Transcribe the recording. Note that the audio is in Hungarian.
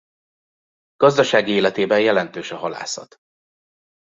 Gazdasági életében jelentős a halászat.